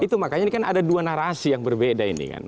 itu makanya ini kan ada dua narasi yang berbeda ini kan